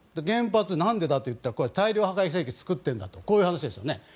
原発、なんでだといったら大量破壊兵器を作っているんだとこういう話ですよね。